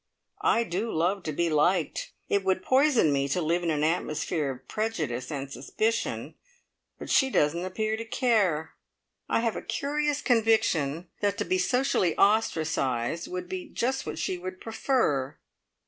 I do love to be liked; it would poison me to live in an atmosphere of prejudice and suspicion, but she doesn't appear to care. I have a curious conviction that to be socially ostracised would be just what she would prefer.